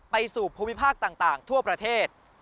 สู่ภูมิภาคต่างทั่วประเทศ